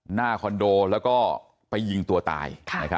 คอนโดแล้วก็ไปยิงตัวตาย